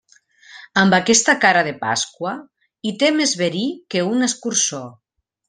Amb aquesta cara de pasqua, i té més verí que un escurçó.